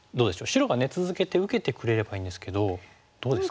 白が続けて受けてくれればいいんですけどどうですか？